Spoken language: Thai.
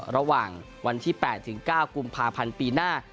ระหว่างวันที่๘ถึง๙กุมภาพันธ์ปีหน้า